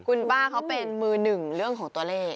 คุณป้าเขาเป็นมือหนึ่งเรื่องของตัวเลข